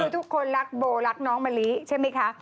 ทุกคนรักโบรักน้องมะลิใช่ไหมคะ